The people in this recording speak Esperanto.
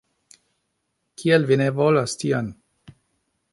Kial vi ne volos tion?